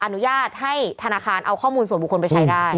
อนุญาตให้ธนาคารเอาข้อมูลส่วนบุคคลไปใช้ได้